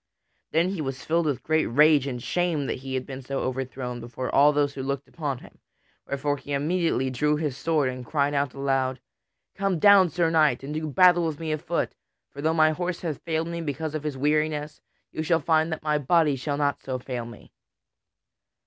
Then he was filled with great rage and shame that he had been so overthrown before all those who looked upon him; wherefore he immediately drew his sword and cried out aloud: "Come down, Sir Knight, and do battle with me afoot, for though my horse hath failed me because of his weariness, yet you shall find that my body shall not so fail me."